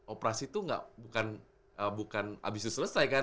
operasi itu bukan abis itu selesai kan